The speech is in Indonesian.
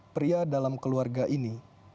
pria dalam keluarga ini